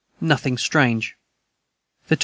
Nothing strange. the 23.